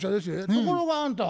ところがあんた